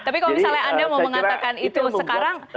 tapi kalau misalnya anda mau mengatakan itu sekarang